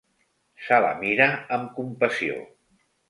Se la mira amb compassió.